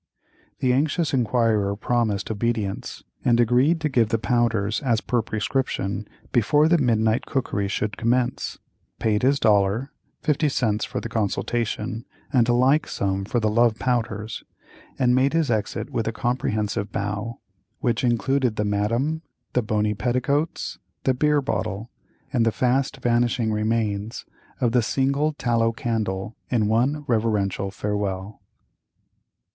The anxious inquirer promised obedience, and agreed to give the powders as per prescription, before the midnight cookery should commence, paid his dollar (fifty cents for the consultation and a like sum for the love powders), and made his exit with a comprehensive bow, which included the Madame, the bony petticoats, the beer bottle, and the fast vanishing remains of the single tallow candle in one reverential farewell.